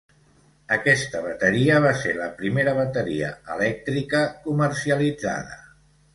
Aquesta bateria va ser la primera bateria elèctrica comercialitzada.